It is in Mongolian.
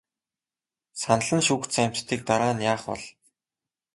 Санал нь шүүгдсэн амьтдыг дараа нь яах бол?